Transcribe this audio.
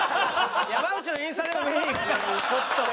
「山内のインスタでも見にいくか！」。